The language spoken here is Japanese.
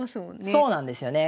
そうなんですよね。